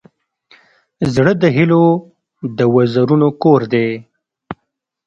زړه د هيلو د وزرونو کور دی.